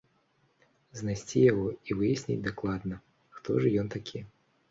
Знайсці яго і выясніць дакладна, хто ж ён такі?!